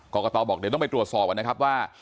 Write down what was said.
กรกตบอกเดี๋ยวต้องไปตรวจสอบกันนะครับว่า